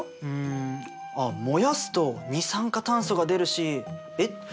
うん。あっ燃やすと二酸化炭素が出るしえっ